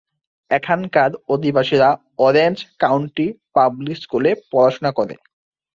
এখানকার অধিবাসীরা Orange County public স্কুলে পড়াশোনা করে।